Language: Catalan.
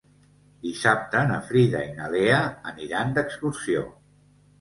Dissabte na Frida i na Lea aniran d'excursió.